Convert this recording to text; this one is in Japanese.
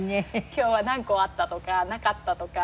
今日は何個あったとかなかったとか。